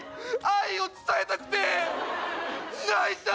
愛を伝えたくて泣いた］